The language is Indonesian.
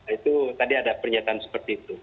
itu tadi ada pernyataan seperti itu